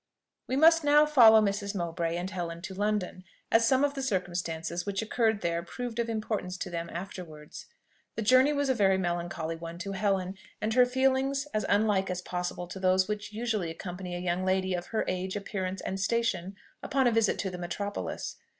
We must now follow Mrs. Mowbray and Helen to London, as some of the circumstances which occurred there proved of importance to them afterwards. The journey was a very melancholy one to Helen, and her feelings as unlike as possible to those which usually accompany a young lady of her age, appearance, and station, upon a visit to the metropolis.